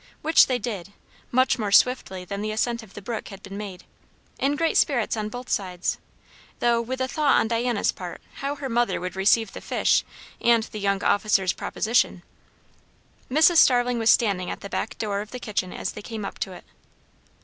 Which they did, much more swiftly than the ascent of the brook had been made; in great spirits on both sides, though with a thought on Diana's part how her mother would receive the fish and the young officer's proposition. Mrs. Starling was standing at the back door of the kitchen as they came up to it.